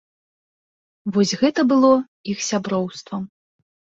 Вось гэта было іх сяброўствам.